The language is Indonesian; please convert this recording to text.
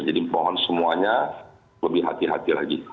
jadi mohon semuanya lebih hati hati lagi